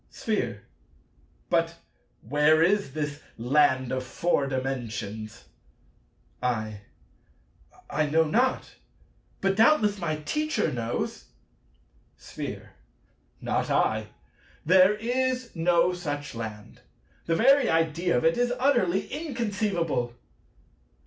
Sphere. But where is this land of Four Dimensions? I. I know not: but doubtless my Teacher knows. Sphere. Not I. There is no such land. The very idea of it is utterly inconceivable.